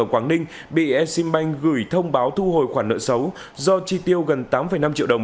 ở quảng ninh bị exim bank gửi thông báo thu hồi khoản nợ xấu do chi tiêu gần tám năm triệu đồng